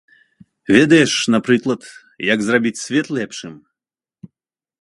Ведаеш, напрыклад, як зрабіць свет лепшым?